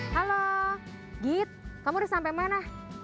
halo git kamu udah sampai mana